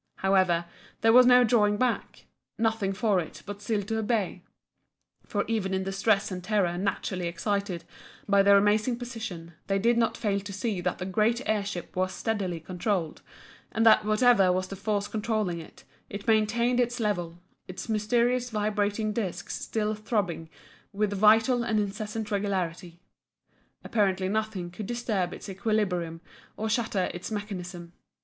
However, there was no drawing back, nothing for it but still to obey, for even in the stress and terror naturally excited by their amazing position, they did not fail to see that the great air ship was steadily controlled, and that whatever was the force controlling it, it maintained its level, its mysterious vibrating discs still throbbing with vital and incessant regularity. Apparently nothing could disturb its equilibrium or shatter its mechanism.